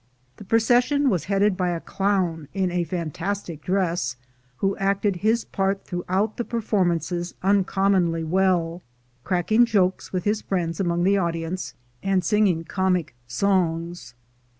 The procession was headed by a clown in a fantastic dress, who acted his part throughout the performances uncommonly well, cracking jokes with his friends among the audience, and singing comic songs.